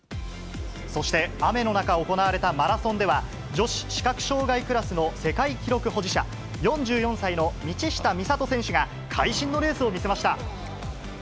そして、雨の中行われたマラソンでは、女子視覚障がいクラスの世界記録保持者、４４歳の道下美里選手が、会心のレースを見せました。